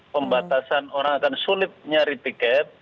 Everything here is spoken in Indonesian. pembatasan orang akan sulit nyari tiket